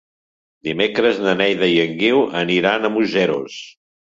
Dimecres na Neida i en Guiu aniran a Museros.